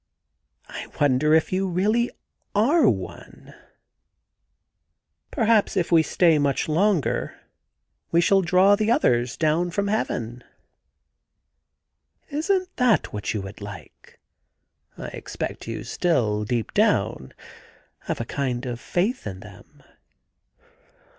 * I wonder if you really are one. 84 THE GARDEN GOD Perhaps if we stay much longer we shall draw the others down from heaven.' ' Isn't that what you would like ? I expect you still, deep down, have a kind of faith in them.'